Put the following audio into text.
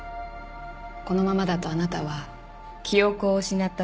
このままだとあなたは記憶を失った殺人犯になるわ。